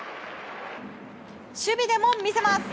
守備でも魅せます！